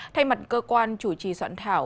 thay mặt cơ quan chủ trì soạn thảo